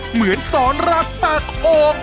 เหมือนสอนรักปากอก